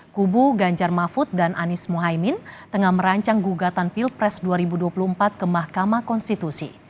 kubu ganjar mahfud dan anies mohaimin tengah merancang gugatan pilpres dua ribu dua puluh empat ke mahkamah konstitusi